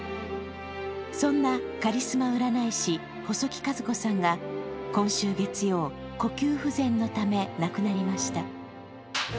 そんなカリスマ占い師・細木数子さんが今週月曜呼吸不全のため亡くなりました。